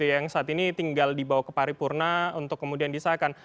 yang saat ini tinggal dibawa ke paripurna untuk kemudian disahkan